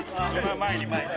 前に前に。